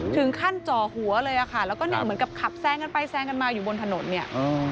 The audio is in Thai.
ถึงขั้นจอหัวเลยค่ะแล้วก็เหมือนกับขับแซ่งกันไปแซ่งกันมาอยู่บนถนนเนี่ย